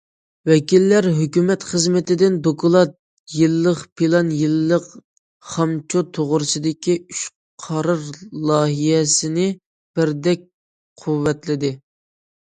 ۋەكىللەر ھۆكۈمەت خىزمىتىدىن دوكلات، يىللىق پىلان، يىللىق خامچوت توغرىسىدىكى ئۈچ قارار لايىھەسىنى بىردەك قۇۋۋەتلىدى.